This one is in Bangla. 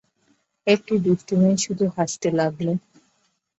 একটি দুষ্টু মেয়ে শুধু হাসতে লাগল।